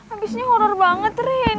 abisnya horror banget rin